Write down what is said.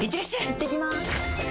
いってきます！